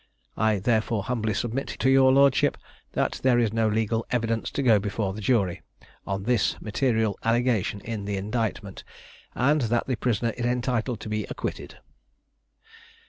I therefore humbly submit to your lordship, that there is no legal evidence to go before the jury, on this material allegation in the indictment, and that the prisoner is entitled to be acquitted."